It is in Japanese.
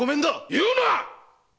言うなっ‼